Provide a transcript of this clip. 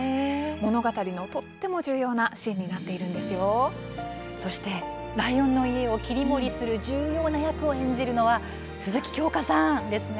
物語の、とても重要なシーンにライオンの家を切り盛りする重要な役を演じてるのは鈴木京香さんですね。